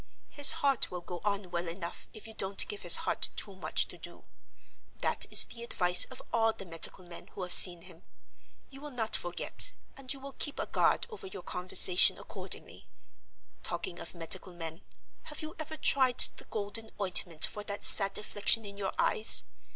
His heart will go on well enough if you don't give his heart too much to do—that is the advice of all the medical men who have seen him. You will not forget it, and you will keep a guard over your conversation accordingly. Talking of medical men, have you ever tried the Golden Ointment for that sad affliction in your eyes?